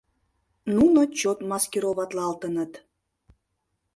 Нуно чот маскироватлалтыныт.